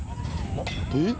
えっ？